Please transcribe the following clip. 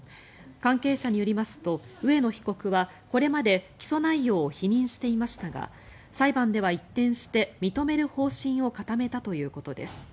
関係者によりますと植野被告はこれまで起訴内容を否認していましたが裁判では一転して認める方針を固めたということです。